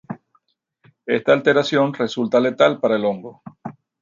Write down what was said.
Esta alteración resulta letal para el hongo.